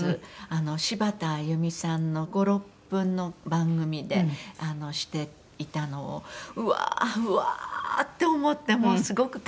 「柴田あゆみさんの５６分の番組でしていたのをうわーうわーって思ってすごく感動して」